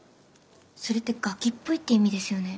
それってガキっぽいって意味ですよね。